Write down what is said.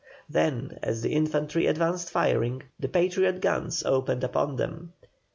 Then, as the infantry advanced firing, the Patriot guns opened upon them.